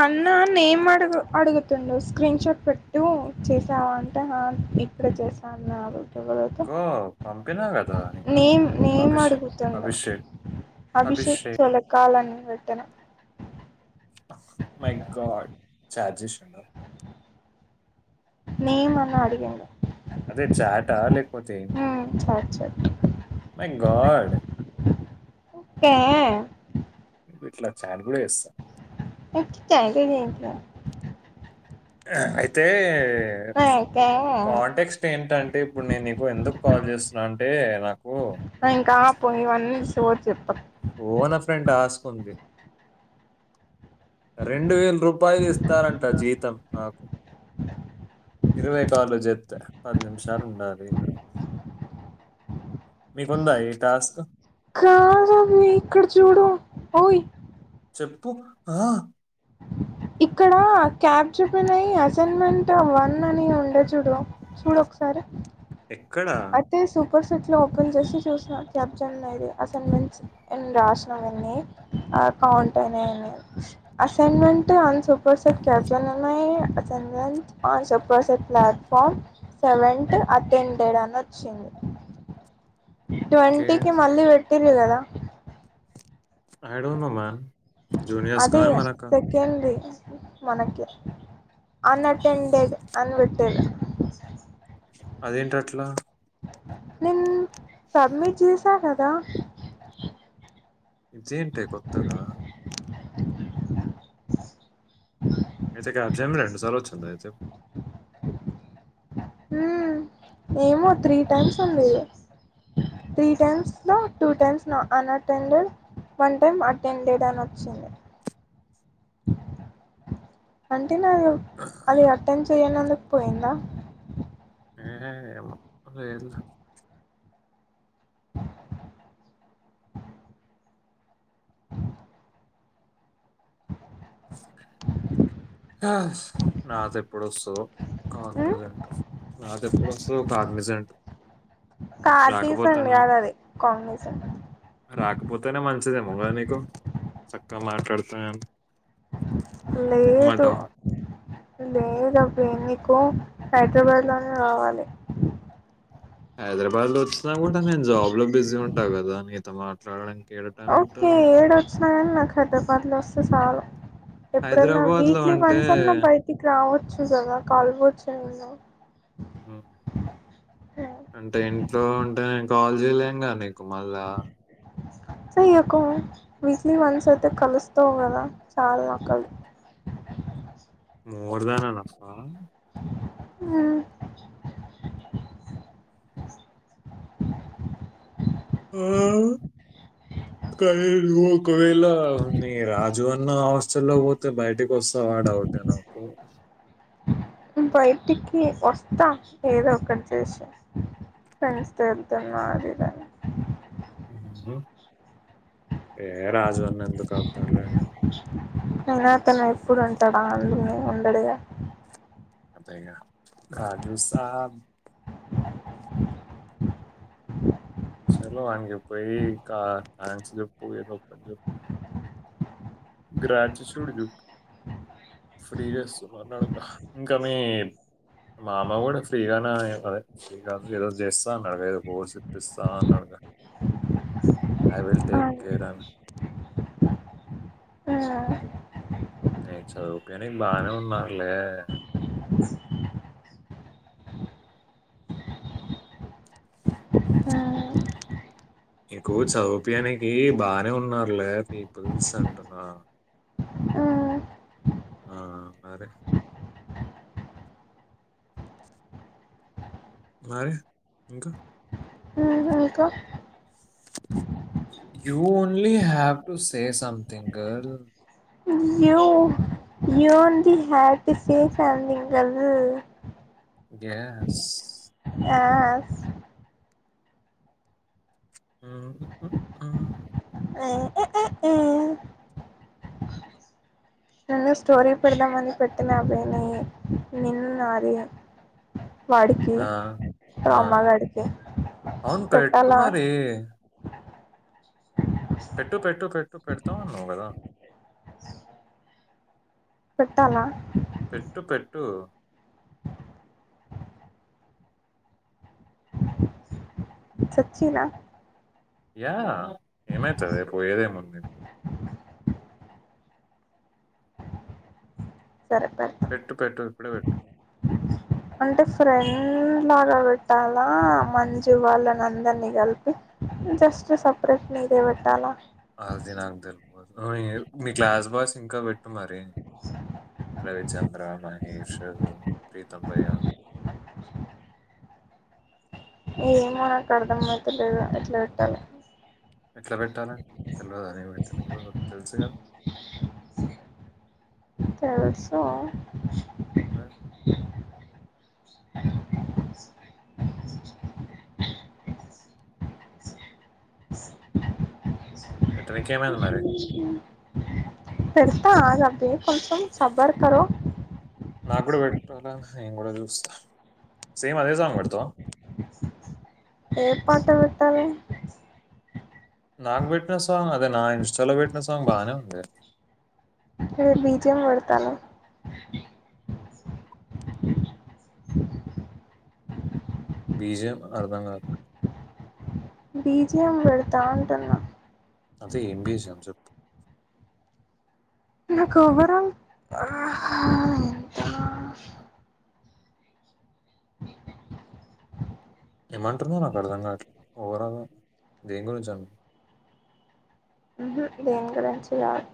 అన్న నేమ్ అడుగు అడుగుతుండు స్క్రీన్ షాట్ పెట్టు చేసావా అంటే ఇక్కడ చేసాన్నారు పంపినా కదా నీకు నేమ్ నేమ్ అభిషేక్ అడుగుతుండ అభిషేక్ అభిషేక్ చోల కాలని వెడుతన మై గగాడ్ చార్జెష్ ఉండ న అన్న అడిగాడి అదే చాట లేకపోతే ఏంటిది ఉమ్ చాట్ చాట్ మై గాడ్ కా ఇట్లా చాలు [unintelligible] ర అయితే కాంటెస్క్ట్ ఏంటంటే ఇప్పుడు నేను నీకు ఎందుకు కాల్ చేస్తున్నా అంటే నాకు పోయినవన్నీ సోది చెప్పకు ఫోనో ఫ్రెండ్ టాస్క్ ఉంది రెండు వేల రూపాయలు ఇస్తారంట జీతం నాకు ఇరవై కాలు చెప్తే పది నిమిషాలు ఉండాలి మీకుందా ఈ టాస్క్ కాదు మీకు కూడా చూడు ఓయ్ చెప్పు ఆ ఇక్కడ క్యాబ్ చెప్పినాయి అసైన్మెంట్ వన్ అని ఉండ చూడు చూడు ఒక ఒకసారి ఎక్కడ అయితే సూపర్ సెట్ లో ఓపెన్ చేసి చూసిన క్యాప్జన్ అనేది అసైన్మెంట్స్ రాసిన అన్ని కౌంట్ అయినాయిని assignment on super set caption ఉన్నాయి assignment on super set platform seventy attended అ నచ్చింది ఓకే ట్వంటీకిి మళ్ళీ వెట్ తెలియదు కదా I don't know man juniors కా అది మనక సెకండ్ది మనకి అన్ అటెండెడ్ అనీ పెట్టేలా అదేంటి అట్లా నేన్ సబ్మిట్ చేసా కదా ఇ జేయన్ అంటే కొత్తగా అయితే క్యాప్జన్ రెండు సార్లు వచ్చిందా అయితే ఉ ఏమో త్రీ టైమ్స్ ఉంది త్రీ టైమ్స్ లో two times unattended one time attended అని వచ్చింది. అంతే నాది అదే అటె చేయనందుకు పోయిందా ఏమో లేదులే నాది ఎప్పుడు వస్తాదొ కార్నిజంట్ నాది ఎప్పుడు వస్తాదొ కార్నిజంట్ కార్తీసన్ రాకపోతెను కాదు అది కాంగ్నిసెంట్ రాకపోతేనే మంచిదేమోగా కదా నీకు చక్కగా మాట్లాడతా లేదు లేదు అబ్బి నీకు హైదరాబాద్లోనే రావాలి హైదరాబాద్ లో వచ్చినా కూడా నేను జాబ్ లో బిజీ ఉంటా కదా మిగత ప్రా [unintelligible] ఓకే ఏడు వచ్చిన కాని నాకుతే పర్లో [unintelligible] సాల ఎప్పుడన్నా హైదరాబాద్‌లో వీక్లీ వన్స్ అన్నా అంటే బయటికి రావచ్చు కదా కలవచ్ తెల్దా హ్మ్ అంటే ఇంట్లో అంటే కాల్ [unintelligible] సో ఎక్కు వీక్లీ వన్స్ అయితే కలుస్తావు కదా చాల్ నాకవి మోరుదానాల వస్తావా హ్మ్ ఆ కై ర [unintelligible] ఒకవేళ నీ రాజువన్నవస్ చల్లోపోతే బయటిక్ కోసం అడ ఒకటే నాకు [unintelligible] హ్మ్ బయటికి వస్తా ఏదో ఒకటి చేసి ఫ్రెండ్స్ తో వెళ్తున్నా అది ఇది అని హు ఏ రాజ్ జొన్న ఎందుకాపుతార్లే అవునా తను ఎప్పుడు ఉంటాడా అందునే ఉండడుగా అంతేగా రాజు సాబ్ చలో ఆయన చెప్పేయ్ ఇక ఆయన చెప్పు ఏదో ఒకటి చెప్పు గ్రాచసూడు గిఫ్ట్ ఫ్రీగా ఇస్తానన్నాడంట ఇంకా మీ మా మామ కూడా ఫ్రీగానే ఎత్తది [unintelligible] ఇంకా ఏదో చేస్తా అన్నాడుగా ఏదో కోర్సు ఇప్పిస్తా అన్నాడుగా ఐ విల్ టేక్ కేర్ అని హూ నే చదువుకొని బానే ఉన్నారులే హ్మ్మ్ ఎక్కువ చదువుపినికి బానే ఉన్నారులే పీపుల్స్ అంటునా ఆ అరే మారి ఇంకా ఇంకా you only have to say something girl you you only have to say something girl గ్యాస్ యాస్ ఊఊహూ ఆ ఊఊహు ఆ [unintelligible] నిన్న స్టోరీ పెడదామని పెట్టిన అభినీ నిన్న్ నాది వాడికి రామగాడికి అవును పెట్టు పెట్టాలా మరి అ [inaudible] పెట్టు పెట్టు పెట్టు పెడతా అన్నావు కదా పెట్టాల్నా పెట్టు పెట్టు చచ్చినా యా ఏమైతద పోయేది ఏముంది సరే పెడతా పెట్టు పెట్టు ఇప్పుడ పెట్ అంటే ఫ్రెండ్ లాగా పెట్టాలా మంజు వాళ్ళని అందరినీ కలిపి, జస్ట్ సపరేట్ మీదే పెట్టాలా ఆ జీనార్దన్ మీ క్లాస్ బాయస్ ఇంకా పెట్ కు కుమరి రవిచంద్ర మహేష్ ఇగ ప్రీతంబయ ఏమో నాకు అర్థం అయితు లేదు ఎట్లా పెట్టాలి ఎట్లా పెట్టాల తెలియదా నే పెట్ట నప్పు తెలుసు కదా తెలుసు మరి హలో పెట్టడానికి ఏమైంది మరి పెడతా అబే కొంచెం సబ్బర్ కరో నాగ్ కూడా పెడ్తారా ఏం కూడా చూస్తా సేమ్ అదే సాంగ్ పెడ్తావా ఏ పాట పెట్టాలి నాకు పెట్టిన సాంగ్ అదే నా ఇన్స్టాలో పెట్టిన సాంగ్ బానే ఉంది ఏ బీజం పెడుతను బీజం అర్ధంగాక బీజియం పెడ్తా అంటున్న అదే ఎంబిస్ అంస నాకువరం ఏమంటునారు నాకు అర్థంగాట్ల ఓవరాల్గా దేని గురించి అ దెంగురించి కాదు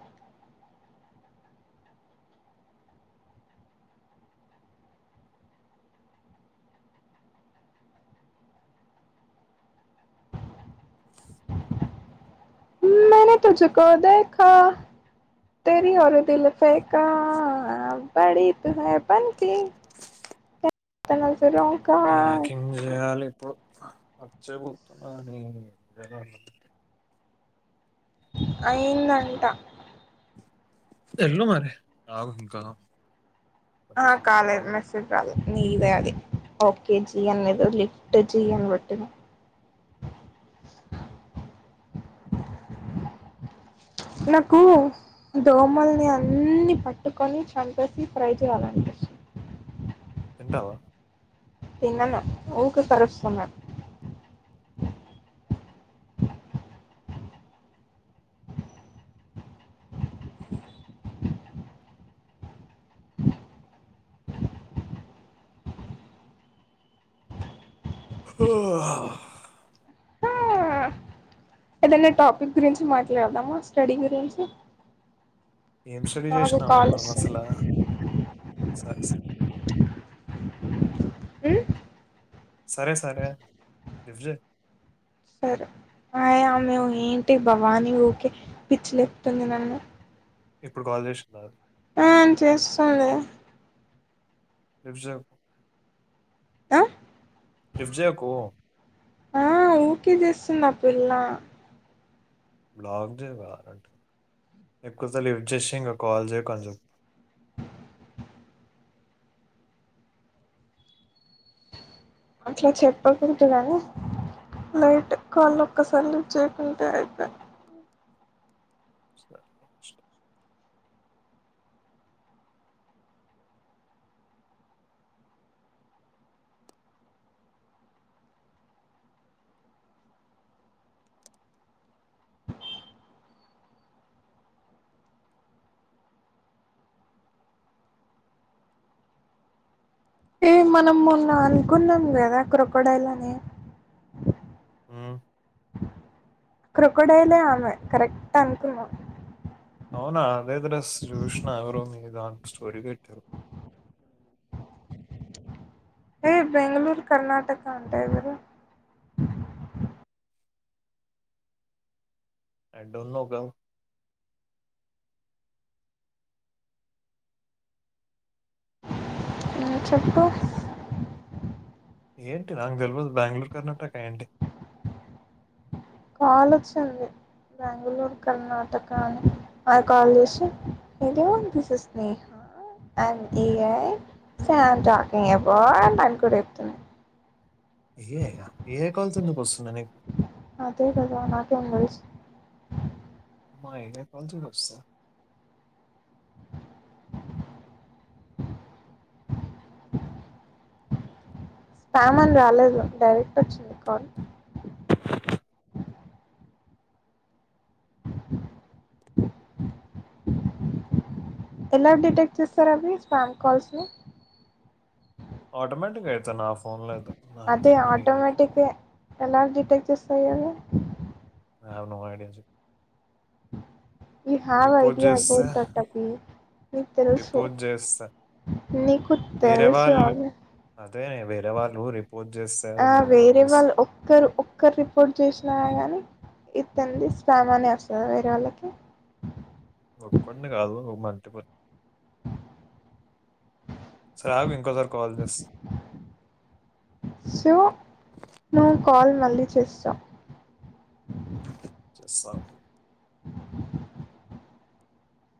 మ తుజకు దాక తరి ర దలు ఫేకా బడి తహ పన క డ్రోన్క ప్యాకింగ్ చేయాలి ఇప్పుడు మర్ చేయబతున్నాని అయిందంట ఎల్లు మరి ఆగు ఇంకా ఆ కొంచెంది కాలేదు కాల్ మెసేజ్ రాలేదు నీదే అది ఓకే జన్ ఇద ిఫ్ట్ చెన్ పెట్ [unintelligible] నాకు దోమలని అన్ని పట్టుకొని చంపేసి ఫ్రై చేయాలనిపిస్తుంది తింటావా తినను ఊకు కరుస్తున్నా ఆ ఏదైనా టాపిక్ గురించి మాట్లాడదామా స్టడీ గురించి ఏం స్టడీ నాకు చేసినామే కాల్ మనం వస్తుంది అసలా సరే సరే ఆ సరే సరే లిప్ట్ జెయి సరే ఆయ ఆమె ఏంటి భవానీ ఊకే పిచ్చిలేపుతుంది నన్ను ఇప్పుడు కాల్ చేసినారు ఆన్ చేస్తునే ిఫజా [unintelligible] ఆ లిప్ట్ జేయకు ఆ ఊకే చేస్తుంది ఆ పిల్ల బ్లాక్ చేయవా ఎక్కువసార్లు లిప్ట్ జేసీ ఇంక కాల్ చేయకు అనిచెప్పు అట్లా చెప్పకుంటే కానీ లైట్ కాళ్ళు ఒక్కసారి చేయకుంటే అయిపోయి సరే. ఏ మనం మొన్న అనుకున్నాం కదా క్రొకడైలని ఆ క్రోకడైలే ఆమె కరెక్ట్ అనుకునం అవునా అదే దర చూషష్ణ ఆగర ఇ [unintelligible] స్టోరి పెట్టావ్ ఏ బెంగళూరు కర్ణాటక అంటే ఎవరు ఐ డోంట్ నో గర్ల్ చెప్పు ఏంటి నాకు తెలవదు బెంగళూరు కర్ణాటక ఏంటి కాల్ వచ్చింది బెంగళూరు కర్ణాటక అని ఆమె కాల్ చేసి ఇదు దిస్ యిస్ స్నేహ [unintelligible] అండ్ఐన్ాకింగ్ అవార్డ్ అని కూడా చెప్తున్నా A I the A I calls ఎందుకు వస్తున్నాయి నీకు అదే కద నాకేం తెలుసు అమ్మ ఏ ఐ కాల్స్ కూడ వస్తదా స్పామ్ అని రాలేదు డైరెక్ట్ వచ్చింది కాల్ ఎలా డిటెక్ట్ చేస్తారు అవి స్పామ్ కాల్స్ ని ఆటోమేటిక్ అయితయి నా ఫోన్లోఐతే అదే ఆటోమాటిక్ ఎలా డిటెక్ చేస్తదలా ఆవును ఐడియా చెప్పు యు హ్యావ్ రిపోర్ట్ ఐడియా జేస్తే అబౌట్ థట్ టాపిక్ నీకు తెలుసు రిపోర్ట్ జేస్తా. నీకు తెలుసు అవి డవల్లురి ఆ వేరే వాళ్ళు ఒక్కరు ఒక్కరు రిపోర్ట్ చేసినారా గాని తంది స్మానే వస్తుందా వేరే వాళ్ళకి ఒక్కడిని కాదు మంటి ప సార్ ఆకు ఇంకోసార్ కాల్ చేస్ సో నువ్వు కాల్ మళ్ళీ చేస్తాం చెస్తా